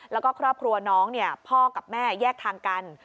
แล้วก็ครอบครัวน้องพ่อกับแม่แยกทางกัน